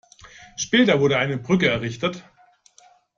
Später wurde eine Brücke errichtet.